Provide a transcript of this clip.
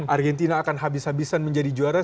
argentina akan habis habisan menjadi juara